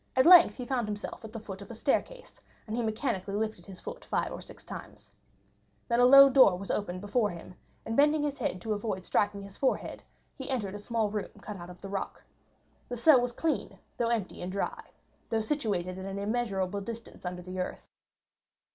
At length he found himself at the foot of a staircase, and he mechanically lifted his foot five or six times. Then a low door was opened before him, and bending his head to avoid striking his forehead he entered a small room cut out of the rock. The cell was clean, though empty, and dry, though situated at an immeasurable distance under the earth.